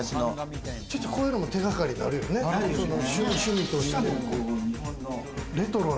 こういうのも手掛かりになるよね、趣味として。